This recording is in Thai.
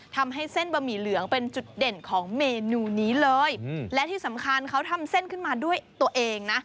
ทำให้เส้นบะหมี่เหลืองเป็นจุดเด่นของเมนูนี้เลยและที่สำคัญเขาทำเส้นขึ้นมาด้วยตัวเองนะ